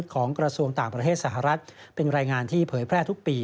ของกระทรวงต่างประเทศสหรัฐเป็นรายงานที่เผยแพร่ทุกปี